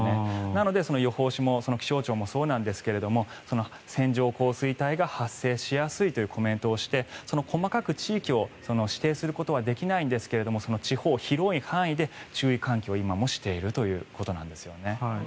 なので、予報士も気象庁もそうなんですけども線状降水帯が発生しやすいというコメントをして細かく地域を指定することはできないんですが地方、広い範囲で注意喚起を今もしているということなんですね。